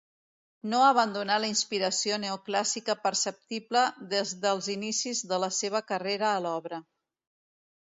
No abandonà la inspiració neoclàssica perceptible des dels inicis de la seva carrera a l'obra.